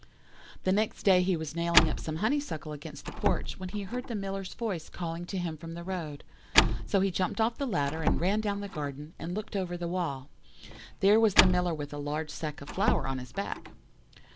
"The next day he was nailing up some honeysuckle against the porch, when he heard the Miller's voice calling to him from the road. So he jumped off the ladder, and ran down the garden, and looked over the wall. "There was the Miller with a large sack of flour on his back.